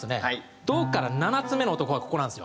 「ド」から７つ目の音がここなんですよ。